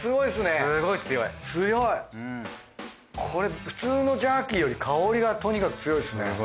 これ普通のジャーキーより香りがとにかく強いですね。